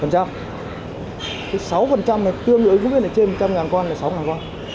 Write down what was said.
cái sáu này tương đối với trên một trăm linh con là sáu con